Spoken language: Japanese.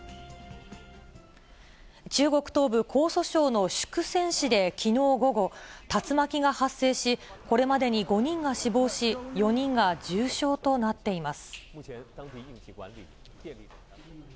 中国東部江蘇省のしゅくせん市できのう午後、竜巻が発生し、これまでに５人が死亡し、４人が重傷となっています。